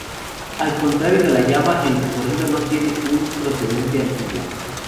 Al contrario de la llama, el recorrido no tiene un precedente antiguo.